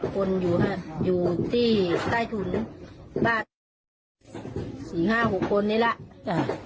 คนอยู่ฮะอยู่ที่ใต้ถุนบ้านสี่ห้าหกคนนี่แหละจ้ะ